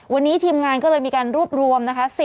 วันนี้ทีมงานก็เลยมีการรวบรวมนะคะ